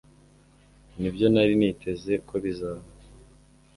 Nibyo nari niteze ko bizaba.